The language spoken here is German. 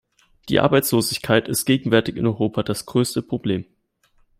Die Arbeitslosigkeit ist gegenwärtig in Europa das größte Problem.